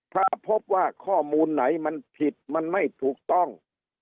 ถ้าพบว่าข้อมูลไหนมันผิดมันไม่ถูกต้อง